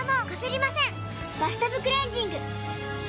「バスタブクレンジング」！